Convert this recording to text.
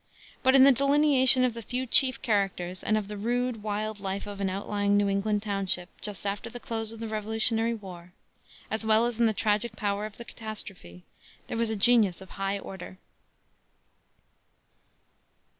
But in the delineation of the few chief characters and of the rude, wild life of an outlying New England township just after the close of the revolutionary war, as well as in the tragic power of the catastrophe, there was genius of a high order.